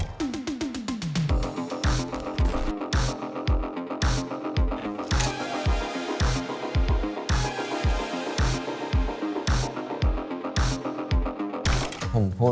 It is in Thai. เพื่อหักกล้องมากกว่า